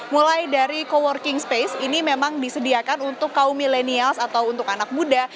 mulai dari co working space ini memang disediakan untuk kaum milenials atau untuk anak muda